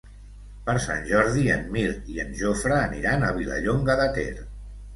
Per Sant Jordi en Mirt i en Jofre aniran a Vilallonga de Ter.